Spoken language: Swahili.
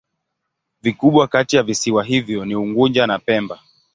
Vikubwa kati ya visiwa hivyo ni Unguja na Pemba.